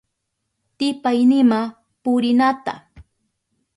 Tipaynima purinata,